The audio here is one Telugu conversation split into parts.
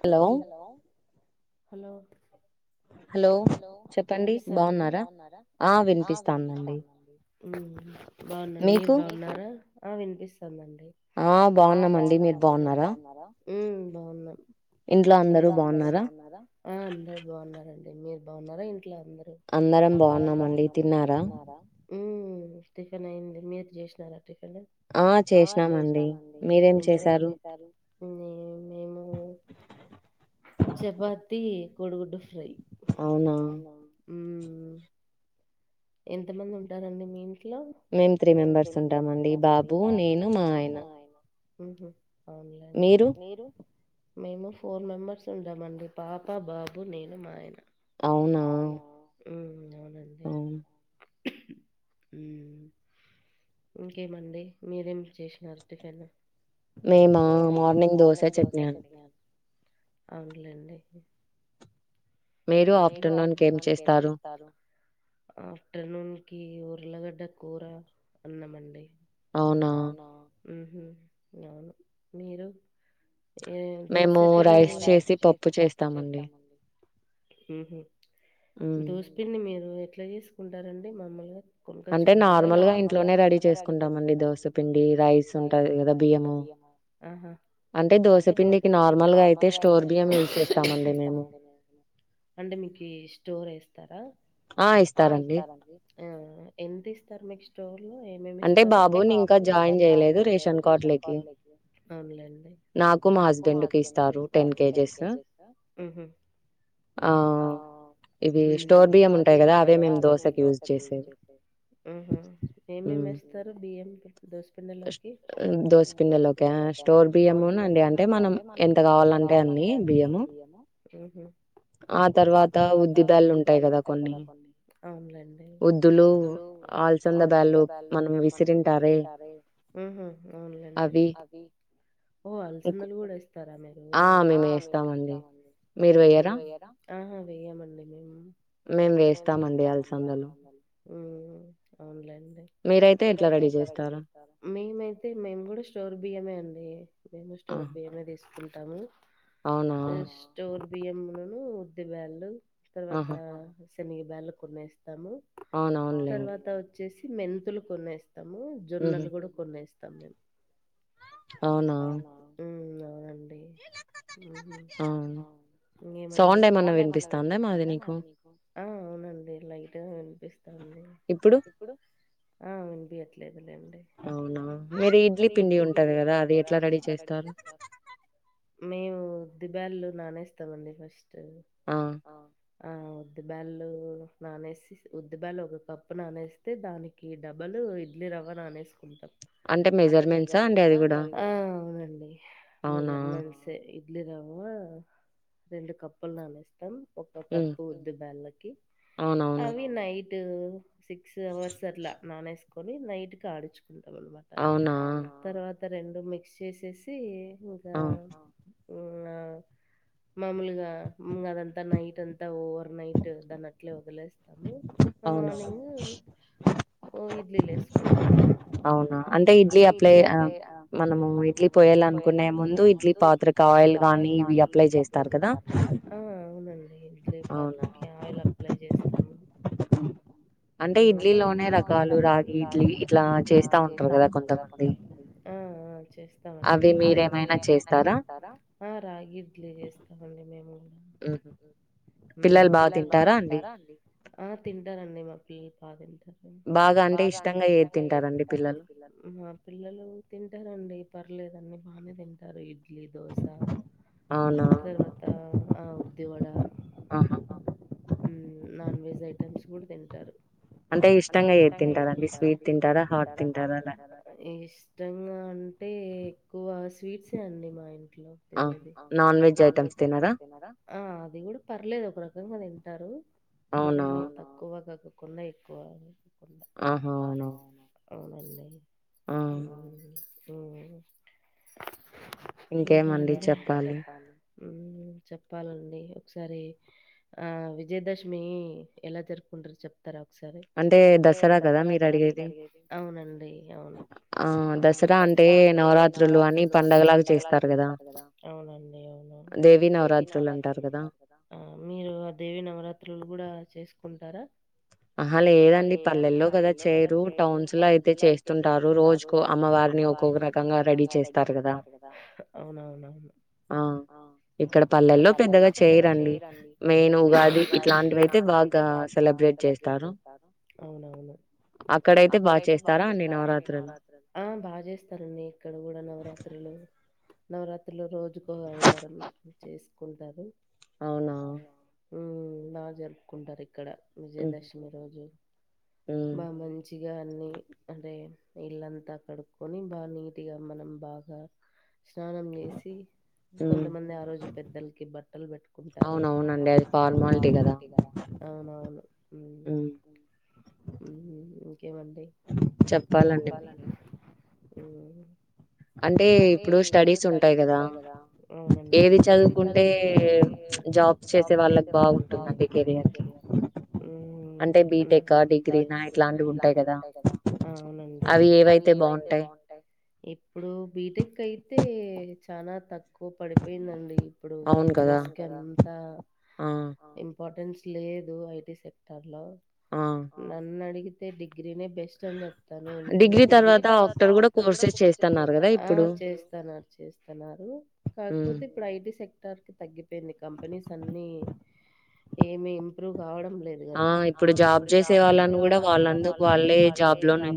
హలో హలో హలో విపిస్తాంది బాగున్నాం మీరు బాగున్నారా మ్ బాఉన్నాం ఇ అందరు బాగున్నారా అందరూ బాగున్నారండి అ మీ బాఉన్నారా ఇంట్లో అందరూ అందరం బాఉన్నామండి తిన్నారా మ్ టిఫిన్ అయింది మీరు జేేశ్నారా టిఫన్ ఆ చేశ్నామండి మీరేం చేశారు మేము చపా తి కొడిగుడ్డు ఫ్రై అవునా ఎంత మంది ఉంటారండి మీ ఇం మేము త్రీ మెంబర్స్ ఉంటామండి ఈ బాబు నేను మా ఆయన మ్హ్ అవునులేండి మీరు మేము ఫోర్ మెంబర్స్ ఉంటమండి పాప బాబు నేను మా ఆయన అవునా అంతె ఇంకేమండి మీరేం చేశినారు టిఫెన్ మేమా మార్నింగ్ దోశ చట్నీ అండి అవునులేండి మీరు ఆఫ్టర్నూన్ కేం చేస్తారు ఆఫ్టర్నూన్ కి ఉరలగడ్డ కూర ఒన్నామండి అవునా ఉం అవును మీరు ఏ దోశటిని రైస్ చేసి పప్పు చేస్తామండి మ్హ్ దోస్పిండి మీరు ఎట్ల చేసుకుంటారండి మామలు గ కొనకొచ్చుకుంటారా నార్మల్ గా ఇంట్లోనే రెడీ చేసుకుంటామండి దోసపిండి రైస్ ఉంటంది కదా బియ్యము అంటే దోస పిండికి నార్మల్ గా అయితే స్టవ్ అంటే మీకి స్టోర్ వేస్తారా ఆ ఇస్తారండి ఆ ఎంత ఇస్తారు మీకు లో ఏమి ఏమి ఇస్తారు అంటే బాబు నీ ఇంకా జాయిన్ చేయలేదు రేషన్ కార్డు లేకి అవును లేండి నాకు మా హస్బెండ్ కి ఇస్తారు టెన్ కేజెస్ ఉహు ఆ యూ స్టోర్ బియ్యం ఉంటాయి కదా అదే మేము దోశకి యూస్ చేసేది స్తారు బియ్యం కి దోసపిండ లోకి దోసిపిండిలోకా స్టోర్ బియ్యముండి అంటే మనం ఎంత కావాలంటే అన్ని బియ్యము హుహు ఆ తర్వాత ఉద్ది బ్యాళ్లు ఉంటాయి కదా కొన్ని అవును లేండి ఉద్దులు అలసంద బ్యాళ్ల మనం విసిరింటారే ఉహు వును లేండి అది ఓ అలసందలు కూడా వేస్తారా మీరు ఆ మేము వేస్తామండి యూ మీరు వెయ్యరా ఆహా వెయ్యమండి మేము మేం వేస్తామండి అలసందలు అండి మీరైతే ఎట్లా రెడీ చేస్తారు మేము అయితే మేము కూడా స్టోర్ బియ్యమే అండి మేము స్టోర్ బియ్యమే తిస్ కుంటాము [unintelligible] స్టూల్ [unintelligible] అన్నము ఉద్ది బ్యాళ్లు తర్వాత సేనికి బ్యాళ్లు కొన్ని వేస్ తము తర్వాత వచ్చి చేసి మెంతులు కొనేస్ తము జొన్నలు కూడా కొనేస్ తమ మేము హు డీ హుహు అవును ఇంకేమండి సౌండ్ ఏమన్నా వినిపిస్తా ఉందా మాది మీకు ఆ అవునండి లైట్ గా వినిపిస్తా ఉంది ఇప్పుడు ఆ వినిపియట్లే అవునా మీరు ఇడ్లీ పిండి ఉంటది కదా ఉంటది కదా అది ఎట్లా రెడీ చేస్తారు మేము ఉద్ది బ్యాళ్లు నానే స్తామండి ఫస్ ఆ ఆ ఉద్ది బ్యాళ్లు నానేసి ఉద్ది బ్యాళ్లు ఒక కప్పు నా నేస్తే దానికి డబుల్ ఇడ్లీ రవ్వ నానేసుకుంటాం అంటే మెజర్మెంట్సా అండి ఆ అవునండి మెజర్మెంట్స్ ఏ ఇడ్లి రావ్వ రెండు కప్పులు నానేస్తాం ఒక కప్పు ఉద్దిబేలక్కి అవి నైట్ సిక్స్ అవర్స్ అట్లా నానేసుకొని నైట్కి ఆడిచ్చు అనమాట అవున తర్వాత ఆ రెండు మిక్స్ చేసేసి అ ఔనా మామూలుగా ఇందంతా నైట్ అంతా ఓవర్ నైట్ దాన్నట్లే వదిలేస్తాము అవునా ఓ ఇడ్లీలు లేస్కుంటాం అవునా అంటే ఇడ్లీ అప్లై ఆ మనము ఇడ్లీ పోయాలనుకునే ముందు ఇడ్లీ పాత్ర ఆయిల్ గానీ ఇది అప్లై చేస్తారు కదా అంటే ఇడ్లీలోనే రకాలు రాగి ఇడ్లీ ఇట్లా చేస్తా ఉంటారు కదా కొంతమంది చేస్తామండి మేము ఆ రాగిఇడ్లి చేస్తామండి మేము ఉ పిల్లలు బాగా తింటారా అండి పిల్లలు బాగతింట బాగా అంటే ఇష్టంగా ఏది తింటారండి పిల్లలు ఉ తింటారండి పర్లేదు అన్నీ బానే తింటారు ఇ ఇడ్లీ దోస తర్వాత ఆ ఉద్దివడ హు నాన్వెజ్ ఐటెమ్స్ కూడా తింటారు అంటే ఇష్టంగా ఏది తింటారండి స్వీట్ తింటారా హాట్ తింటారా అలా ఇష్టంగా అంటే ఎక్కువ స్వీట్సే అండి మా ఇం ఇంట్లో తినేది ఆ అది కూడా పర్లేదు ఒకరక ఒకరకంగా తింటారు మరీ తక్కువ కాకు కున్న ఎక్కువా ఆహా అవున అవునండి హు ఇంకా అండి హు చెప్పాలండి ఒకసారి ఆ విజయదశమి ఎలా జరుపుకుంటారో చెప్తారా సరే దసరా కదా మీరు అడిగేది ఒకసారి అవునండి అవును. ఆ దసరా అంటే నవరాత్రులు అని పండగలాగా చేస్తారు కదా దేవి నవరాత్రులు అంటారు కదా. అంటారా అహా లేదండి పల్లెల్లో కదా చేయరు టౌన్స్ లో అయితే చేస్తుంటారు. రోజుకో అమ్మవారిని ఒక్కొక్క రకంగా రెడీ చేస్తారు కదా అవు ఇక్కడ పల్లెల్లో పెద్దగా చేయరండి మ ఇంయితే బాగా. అడయితే బాస్తా. నవరాత్ర ఆ బాగా చేస్తానండి ఇక్కడ కూడా నవరాత్రులు నవరాత్రిలో రోజుకు అవతారం చేసుకుంటారు. అవునా ఉ బా జరుపుకుంటారు. ఇక్కడ విజయదశమి రోజు బా మంచి గా అన్ని అంటే ఇల్లంతా కడుకొని బా నీట్గా మనం బాగా స్నానం చేసి కొంతమంది ఆ రోజు పెద్దలకి బట్టలు పెట్టుకుంటారు అం ఫార్మాల క అవునవును ఇంకేమండి చెప్పాలన్న అంటే ఇప్పుడు స్టడీస్ ఉంటాయి కదా ఏది చదువుకుంటే జాబ్ చేసే వాళ్ళకి బాగుంటుందికయ అంటే బీటెక్ డిగ్రీనా ఇలాంటి ఉంటాయి కదా. వుండి అవి ఏవైతే బాగుంటాయి్. ఇప్పుడు బీటెక్ అయితే చాల తక్కువ. ఎక్కువ పడిపోయిందండి ఇప్పుడు కంపెనీస్ క అంత ఇంపార్టెన్స్. లేదు ఐటి సెక్టర్ లో. నన్న అడిగి. డిగ్రిని బెస్ట. ఎందుకంటే త చేస్త చేస్తున్నారు కాకపోతే ఇప్పుడు ఐటీ సెక్టర్ కి తగ్గిపోయింది కంపెనీస్ అన్ని. ఏమి ఇంప్రూవ్ కావడం లే దు కదా ఇప్పుడు జాబ్ చేసే వాళ్ళని కూడా వాళ్ళందుకు వాళ్ళే జాబ్.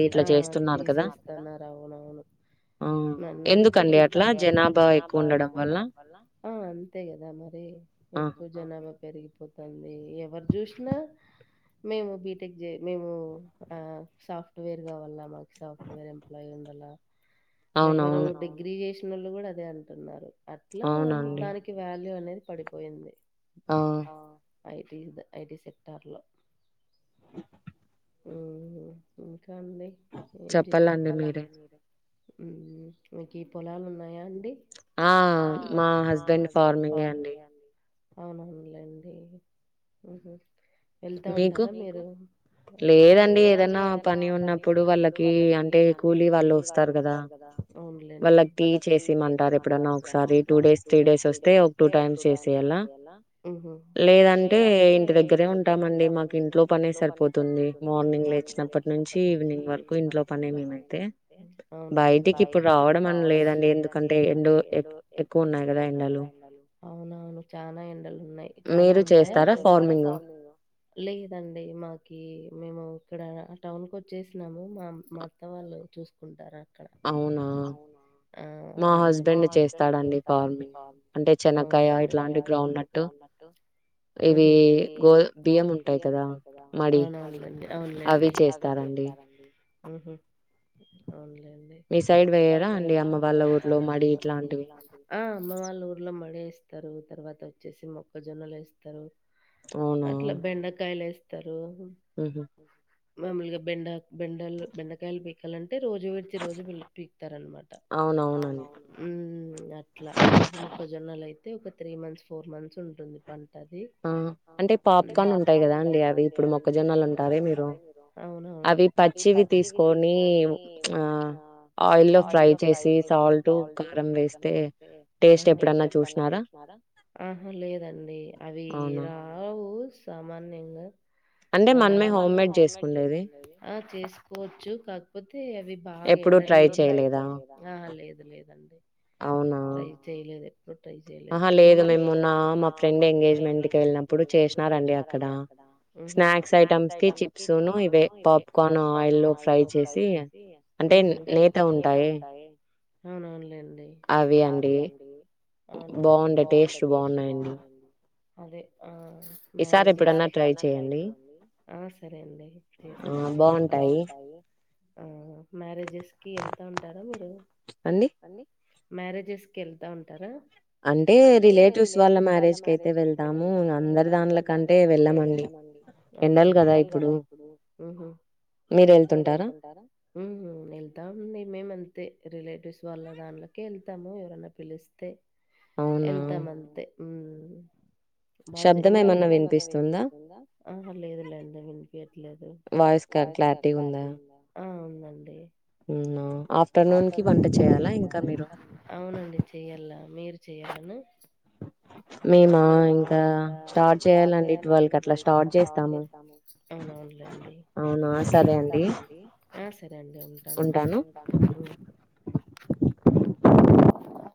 తీన్నారు అవునవును మన్న అడిగి జనా ఎల్ అంతే కదా మరి ఎక్కువ జనాభా పెరిగిపోతుంది. అ ఎవరు చూసినా మేము బీటెక్ మేము ఆ. సాఫ్ట్వేర్ కావల మాకు సాఫ్ట్వేర్ ఎంప్లాయీ ఉండాల ఎవరు డిగ్రీ చేసి కృణులు కూడా అదే అంటున్నారు అట్లా దానికి వాల్యూ అనేది. పడిపోయింది. ఆ. I fridge the IT sector లో. ఓహో హు. ఇంకా అండి ఏం చే చెప్పాలని ఉంది. ఉమ్ హు మీకు ఈ పొలాలు ఉన్నాయా అండి. ఆ మా హస్బెండ్ ఫార్మింగ్ ఏ అండి. అవుననులేండి ఉహు. వెళ్తా ఉంటారా మీరు. లేదండి ఏదైనా పని ఉన్నప్పుడు వాళ్ళకి అంటే కూలీ వాళ్ళు వస్ ఉంటారు కదా. వాళ్లకి చేసి ఇవ్వమంటార్ ఎప్పుడన్నా ఒకసారి టుడేస్ త్రీ డేస్ వస్తే వర్క్ టు టైం చేసెయ్యాలా లేదంటే ఇంటిదగ్గర నుం. ఇక్కడే ఉంటామండి మాకు ఇంట్లో పనే సరిపోతుంది మార్నింగ్ లేచినప్పటి నుంచి ఈవినింగ్ వరకు ఇంట్లో పనే మేమైతే. అవునులేండి బయటికి ఇప్పుడు రావడం అని లేదండి ఎందుకంటే ఎండో ఎక్కువ ఉన్నాయి కదా ఎండలు అవునవును చాలనా ఎండలు ఉన్నాయ్ చానా ఉన్నాయ చేస్తారా ఫార్మింగ. లేదండి మాకి మేము ఇక్కడ టౌన్ కు వచ్చేసినాము మా మా అత్త వాళ్ళు చూసుకుంటారాండ్ అవునా మా హస్బెండ్ చేస్తాడండి ఫామింగ్. చేనక్కాయ ఇట్లాంటి గ్రౌండ్నెట్ ఉంటాయి కదా ఇవి గో బియ్యం మడి ఉంటాయి కదా అవి చేస్తారండి. ఆన్లైన్. మీ సైడ్ వెయ్యరా అండి అమ్మ వాళ్ళ ఊర్లో మడి ఇట్లాంటివి. వస్తారు తర్వాత వచ్చేసి మొక్కజొన్నలు వేస్తారు. అట్లా బెండకాయల్ ఏస్. ఉహు. మాములుగా బెండ బెండలు బెండకాయలు పీకాలంటే రోజు వెట్ ప్రతి రోజు బెల్లం టీ ఇతరన్నమాట ఉమ్ అట్లా మొక్కజొన్నలైత్. అయితే ఒక త్రీ మంత్స్ ఫోర్ మంత్స్ ఉంటుంది పంట. అంటే పాప్కార్న్ ఉంటాయి కదా అండి అవి ఇప్పుడు మొక్కజొన్నలు ఉంటయి మీరు అవి పచ్చివి తీసుకొని. ఆ ఆయిల్లో ట్రై చేసి సాల్ట్ కారం వేస్తే టస్ట్ ఎప్పుడన్నా చూసినారా. అవి రావు. బు సామాన్యంగా. అంటే మనమే హోం మేడ్ చేసుకునేది. బాగా ఎండని. లేదు లేదండి. ట్రై చేయలేదు ఎప్పుడు ట్రై చేయలేదు. మీరు ఉహూ. అంటే నేత ఉంటాయి. అవునునులేం అవి అండి అవును లేండి బాగుండే టేస్ట్ బాగున్నాయండి. అదే ఆ మ్యారేజస్ ఆ సరే అండి చేస్తాను కంపల్సరీ మ్యారేజెస్ కి వెళ్తా ఉంటరా మీరు అండి మ్యారేజెస్ కి వెళ్తా ఉంటారా అంటే రిలేటివ్స్ వాళ్ళ మ్యారేజ్ క అయితే వెళ్తాము. అందరు దానిల కంటే వెళ్ళమండి. వెళ్ళాలి కదా ఇప్పుడు మీరు వెళ్తుంటారా. ఉమ్ హు వెళ్తాం మేమేం అంతే రిలేటివ్స్ వాళ్ళ దాంలకే వెళ్తాము ఎవరన్నా పిలిస్తే ఎల్తామంతే శబ్దం ఏమైనా వినిపిస్తుందా అహా లేదు లేదులే వినిపియ్యట్లేదు వాయిస్ క్లారిటీ ఉందా ఆ ఉన్ అండి ఆఫ్టర్నూన్ కి వంట చేయాలా ఇంకా అవునండి చెయల్ల మీరు చేయాలన మేమ ఇంకా స్టార్ట్ చేయాలండి వాళ్ళకి అట్లా స్టార్ట్ చేస్తాము అవును అవునులేండి అవునా సరే అండి ఆ స్ సరే అండి ఉంటాను ఉంటాను